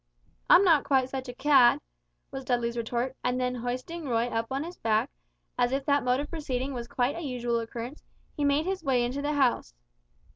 "I'm not quite such a cad," was Dudley's retort, and then hoisting Roy up on his back, as if that mode of proceeding was quite a usual occurrence, he made his way into the house.